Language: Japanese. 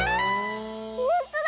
ほんとだ！